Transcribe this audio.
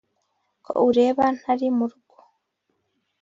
ko ureba ntari mu rugo